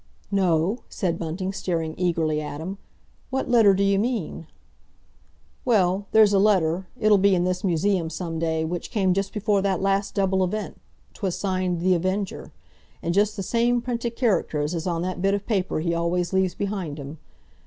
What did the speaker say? "No," said Bunting, staring eagerly at him. "What letter d'you mean?" "Well, there's a letter—it'll be in this museum some day—which came just before that last double event. 'Twas signed 'The Avenger,' in just the same printed characters as on that bit of paper he always leaves behind him.